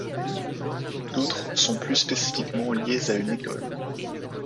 D'autres sont plus spécifiquement liés à une école.